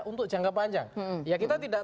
untuk jangka panjang ya kita tidak